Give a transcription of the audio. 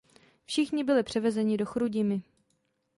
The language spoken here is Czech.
Všichni byli převezeni do Chrudimi.